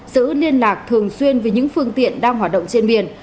giữ liên lạc thường xuyên với những phương tiện đang hoạt động trên biển